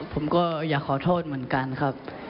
ผมก็อยากขอโทษเหมือนกันครับ